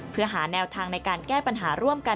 เพื่อหาแนวทางในการแก้ปัญหาร่วมกัน